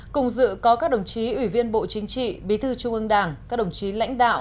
cùng dự có các đồng chí ủy viên bộ chính trị bí thư trung ương đảng các đồng chí lãnh đạo